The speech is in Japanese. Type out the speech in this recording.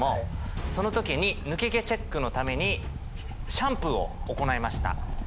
その時に抜け毛チェックのためにシャンプーを行いました。